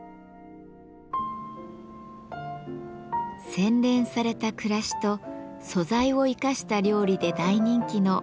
洗練された暮らしと素材を生かした料理で大人気の料理研究家